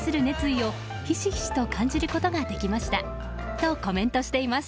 とコメントしています。